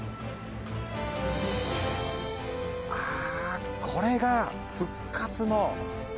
あこれが復活の。